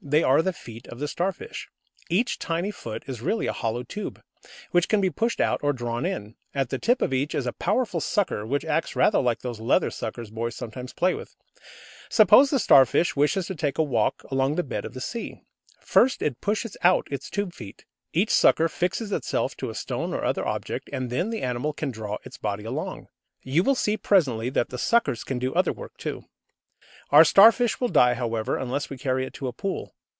They are the feet of the Starfish. Each tiny foot is really a hollow tube, which can be pushed out or drawn in. At the tip of each is a powerful sucker, which acts rather like those leather suckers boys sometimes play with. Suppose the Starfish wishes to take a walk along the bed of the sea. First, it pushes out its tube feet. Each sucker fixes itself to a stone or other object, and then the animal can draw its body along. You will see presently that the suckers can do other work too. Our Starfish will die, however, unless we carry it to a pool.